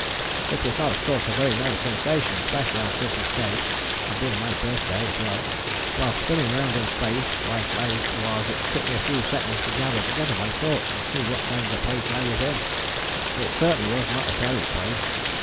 It was not of course a very nice sensation, especially on Christmas Day, and being my birthday as well. While spinning round in space like I was it took me a few seconds to gather together my thoughts and see what kind of a place I was in. It certainly was not a fairy's place.